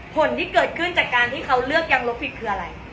ผลที่เกิดขึ้นจากการที่เขาเลือกยางลบผิดคืออะไร